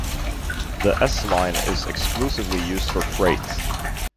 The S-Line is exclusively used for freight.